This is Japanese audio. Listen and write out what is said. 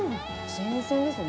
新鮮ですね。